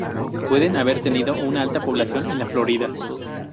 Pueden haber tenido una alta población en la Florida.